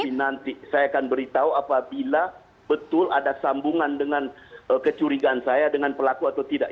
nanti saya akan beritahu apabila betul ada sambungan dengan kecurigaan saya dengan pelaku atau tidak